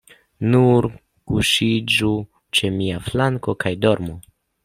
Nur kuŝiĝu ĉe mia flanko kaj dormu.